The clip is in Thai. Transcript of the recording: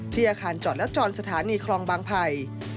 อาคารจอดและจรสถานีคลองบางไผ่